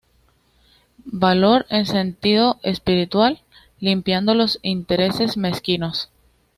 Valor en sentido espiritual, limpiando los intereses mezquinos.